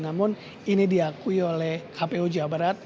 namun ini diakui oleh kpu jawa barat